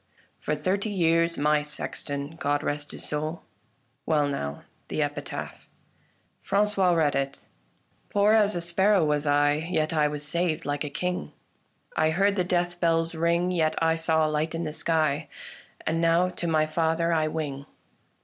For thirty years my sexton. God rest his soul ! Well now, the epitaph." Frangois read it :" Poor as a sparrow was I, Yet I was saved like a king ; I heard the death bells ring, Yet I saw a light in the sky : And now to my Father I wing."